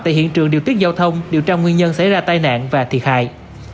tại hiện trường điều tiết giao thông điều tra nguyên nhân xảy ra tai nạn và thiệt hại